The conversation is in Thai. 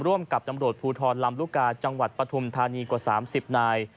ร่วมกับตำรวจภูทรลำลูกกาจังหวัดปฐุมธานีกว่า๓๐นาย